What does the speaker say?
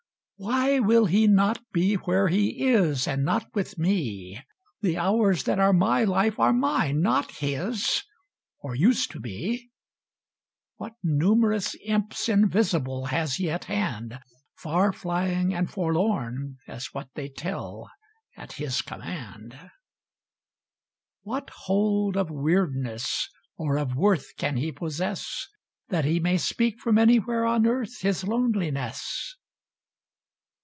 1811 Why will he not be where he is, And not with me? The hours that are my life are mine, not his,— Or used to be. What numerous imps invisible Has he at hand, Far fl}dng and forlorn as what they tell At his command? What hold of weirdness or of worth Can he possess. That he may speak from anywhere on earth His loneliness?